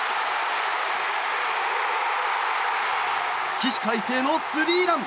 起死回生のスリーラン！